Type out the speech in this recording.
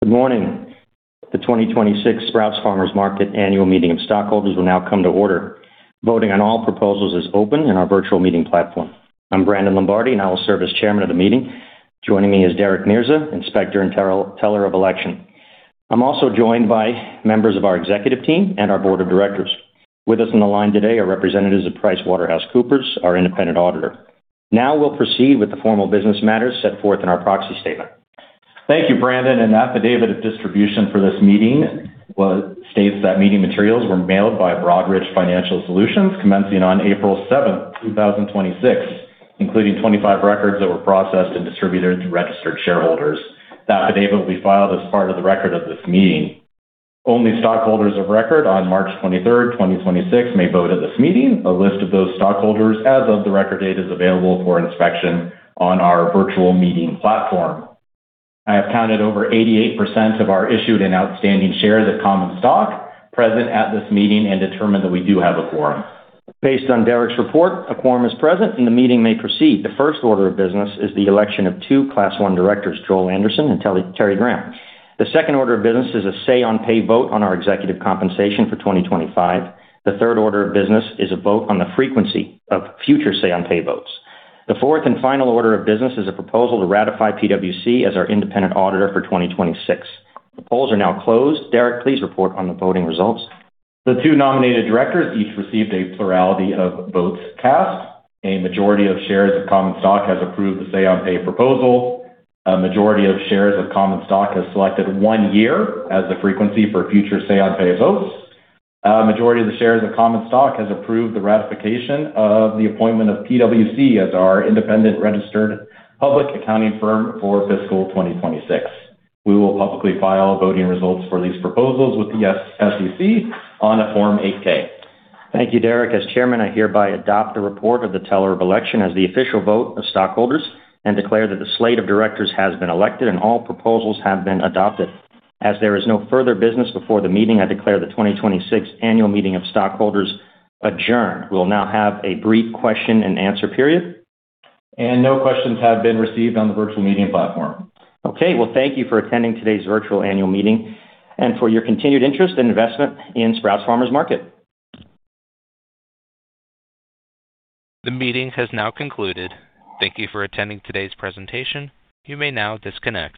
Good morning. The 2026 Sprouts Farmers Market annual meeting of stockholders will now come to order. Voting on all proposals is open in our virtual meeting platform. I'm Brandon Lombardi, and I will serve as chairman of the meeting. Joining me is Derek Mirza, inspector and teller of election. I'm also joined by members of our executive team and our board of directors. With us on the line today are representatives of PricewaterhouseCoopers, our independent auditor. Now we'll proceed with the formal business matters set forth in our proxy statement. Thank you, Brandon. An affidavit of distribution for this meeting states that meeting materials were mailed by Broadridge Financial Solutions commencing on April seventh, 2026, including 25 records that were processed and distributed to registered shareholders. That affidavit will be filed as part of the record of this meeting. Only stockholders of record on March 23rd, 2026, may vote at this meeting. A list of those stockholders as of the record date is available for inspection on our virtual meeting platform. I have counted over 88% of our issued and outstanding shares of common stock present at this meeting and determine that we do have a quorum. Based on Derek's report, a quorum is present and the meeting may proceed. The first order of business is the election of two Class I directors, Joel Anderson and Terri Funk Graham. The second order of business is a say-on-pay vote on our executive compensation for 2025. The third order of business is a vote on the frequency of future say-on-pay votes. The fourth and final order of business is a proposal to ratify PwC as our independent auditor for 2026. The polls are now closed. Derek, please report on the voting results. The two nominated directors each received a plurality of votes cast. A majority of shares of common stock has approved the say-on-pay proposal. A majority of shares of common stock has selected one year as the frequency for future say-on-pay votes. A majority of the shares of common stock has approved the ratification of the appointment of PwC as our independent registered public accounting firm for fiscal 2026. We will publicly file voting results for these proposals with the SEC on a Form 8-K. Thank you, Derek. As chairman, I hereby adopt the report of the teller of election as the official vote of stockholders and declare that the slate of directors has been elected and all proposals have been adopted. As there is no further business before the meeting, I declare the 2026 annual meeting of stockholders adjourned. We'll now have a brief question and answer period. No questions have been received on the virtual meeting platform. Okay. Well, thank you for attending today's virtual annual meeting and for your continued interest and investment in Sprouts Farmers Market. The meeting has now concluded. Thank you for attending today's presentation. You may now disconnect.